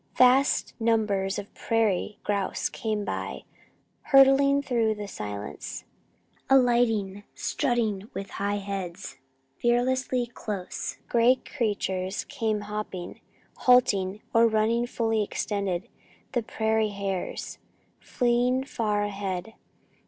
Vast numbers of prairie grouse came by, hurtling through the silence, alighting, strutting with high heads, fearlessly close. Gray creatures came hopping, halting or running fully extended the prairie hares, fleeing far ahead.